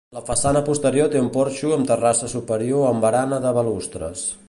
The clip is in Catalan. La façana posterior té un porxo amb terrassa superior amb barana de balustres.